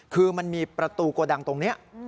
คือมันมีประตูโกดังตรงนี้